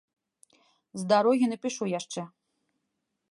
З дарогі напішу яшчэ.